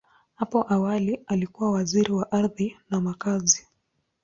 Hapo awali, alikuwa Waziri wa Ardhi na Makazi.